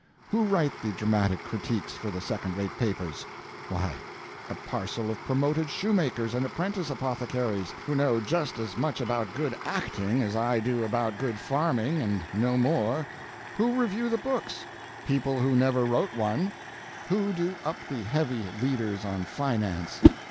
Who write the dramatic critiques for the second rate papers? Why, a parcel of promoted shoemakers and apprentice apothecaries, who know just as much about good acting as I do about good farming and no more. Who review the books? People who never wrote one. Who do up the heavy leaders on finance?